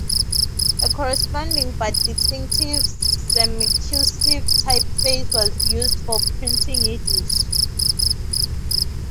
A corresponding but distinctive semicursive typeface was used for printing Yiddish.